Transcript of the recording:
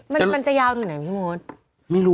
มันจะยาวที่ไหนพี่โม๊ต